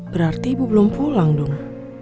berarti ibu belum pulang dong